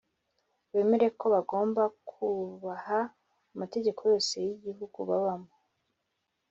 bemera ko bagomba kubaha amategeko yose y’igihugu babamo